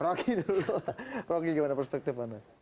rocky dulu rocky gimana perspektifnya